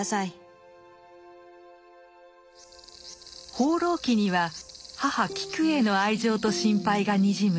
「放浪記」には母・キクへの愛情と心配がにじむ